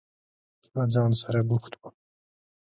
له ځان سره بوخت و.